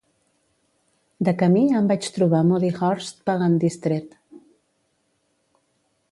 De camí em vaig trobar Moody Hurst vagant distret.